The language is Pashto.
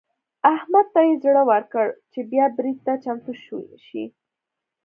احمد ته يې زړه ورکړ چې بيا برید ته چمتو شي.